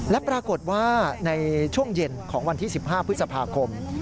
และปรากฏว่าในช่วงเย็นของวันที่๑๕พฤษภาคม